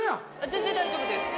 全然大丈夫です。